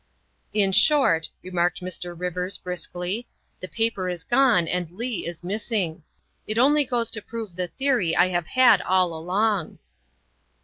''' In short," remarked Mr. Rivers briskly, " the paper is gone and Leigh is missing. It only goes to prove the theory I have had all along."